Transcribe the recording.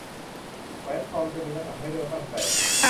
แหวนทองจะมีน้ำหนักให้เลือกตั้งแต่